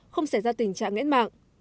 không xảy ra tình trạng ngãn mạng